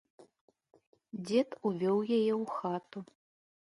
Дзед увёў яе ў хату.